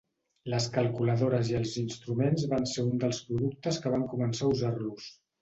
Les calculadores i els instruments van ser uns dels productes que van començar a usar-los.